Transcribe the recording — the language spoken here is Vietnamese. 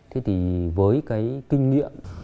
thế thì với cái kinh nghiệm